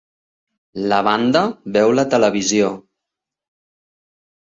La banda veu la televisió.